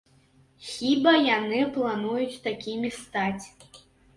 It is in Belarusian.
Хіба яны плануюць такімі стаць?